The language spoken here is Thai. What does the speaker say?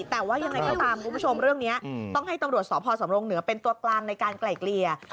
แต่ว่ายังไงก็ตามคุณผู้ชมเรื่องนี้ต้องให้ตำรวจสพสำรงเหนือเป็นตัวกลางในการไกล่เกลี่ย